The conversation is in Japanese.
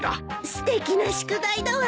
すてきな宿題だわ。